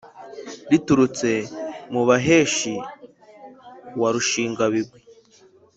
riturutse mu baheshi wa rushingabigwi